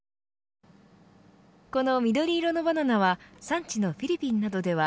この緑色のバナナは産地のフィリピンなどでは